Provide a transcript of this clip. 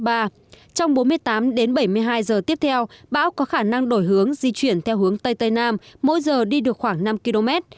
trong bốn mươi tám đến bảy mươi hai giờ tiếp theo bão có khả năng đổi hướng di chuyển theo hướng tây tây nam mỗi giờ đi được khoảng năm km